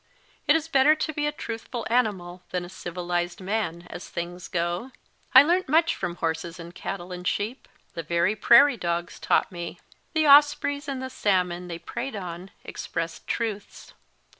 It is better to be a truthful animal than a civilised man, as things go. I learnt much from horses and cattle and sheep ; the very prairie dogs taught me; the ospreys and the salmon they preyed on expressed truths.